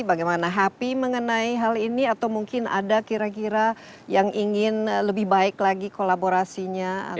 bagaimana happy mengenai hal ini atau mungkin ada kira kira yang ingin lebih baik lagi kolaborasinya